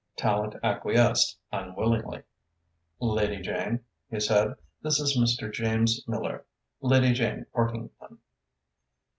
Tallente acquiesced unwillingly. "Lady Jane," he said, "this is Mr. James Miller Lady Jane Partington."